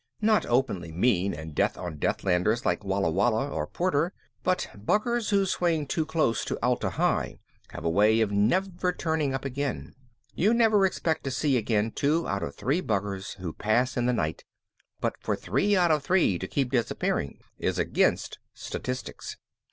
Not openly mean and death on Deathlanders like Walla Walla or Porter, but buggers who swing too close to Atla Hi have a way of never turning up again. You never expect to see again two out of three buggers who pass in the night, but for three out of three to keep disappearing is against statistics.